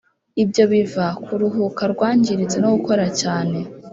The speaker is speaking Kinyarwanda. ibyo biva kuruhuka rwangiritse no gukora cyane